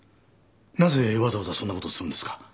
なぜわざわざそんな事をするんですか？